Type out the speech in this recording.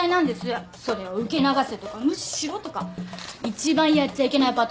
それを受け流せとか無視しろとか一番やっちゃいけないパターンですよ。